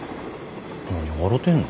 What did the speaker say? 何笑てんの。